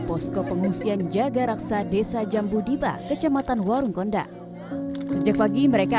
posko pengungsian jaga raksa desa jambudipa kecamatan warung gondang sejak pagi mereka